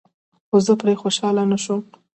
خو زه پرې خوشحاله نشوم.